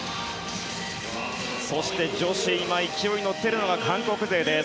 そして女子今勢いに乗ってるのが韓国勢です。